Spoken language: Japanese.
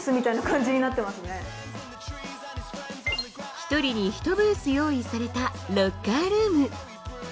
１人に１ブース用意されたロッカールーム。